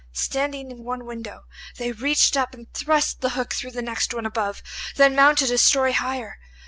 Standing in one window, they reached up and thrust the hook through the next one above, then mounted a story higher.